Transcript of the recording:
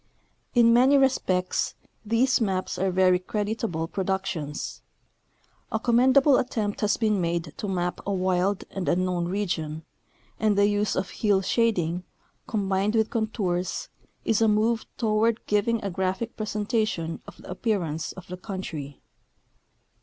In many respects these maps are very creditable i:)rocluctions. A commendable attempt has been made to map a wild and un known region, and the use of hill shading, combined with con (201) 202 Notes. tours, is a move toward giving a graphic presentation of the appearance of the country.